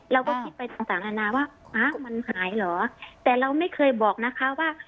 เราก็คิดไปต่างต่างนานาว่าอ้าวมันหายเหรอแต่เราไม่เคยบอกนะคะว่า